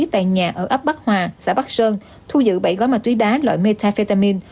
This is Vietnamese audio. tại nhà ở ấp bắc hòa xã bắc sơn thu giữ bảy gói ma túy đá loại metafetamin